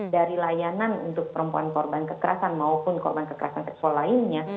dari layanan untuk perempuan korban kekerasan maupun korban kekerasan seksual lainnya